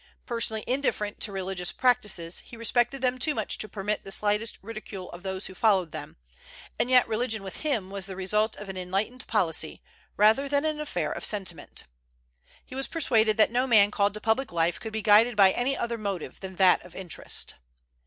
Personally indifferent to religious practices, he respected them too much to permit the slightest ridicule of those who followed them; and yet religion with him was the result of an enlightened policy rather than an affair of sentiment. He was persuaded that no man called to public life could be guided by any other motive than that of interest.